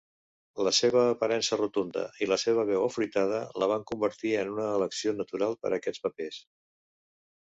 La seva aparença rotunda i la seva veu afruitada la van convertir en una elecció natural per a aquests papers.